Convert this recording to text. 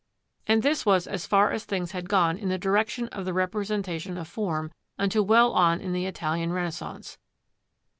And this was as far as things had gone in the direction of the representation of form, until well on in the Italian Renaissance.